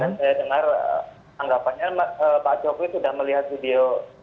dan saya dengar tanggapannya pak jokowi sudah melihat video